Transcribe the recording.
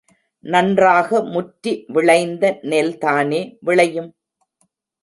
நன்றாக முற்றி விளைந்த நெல்தானே விளையும்?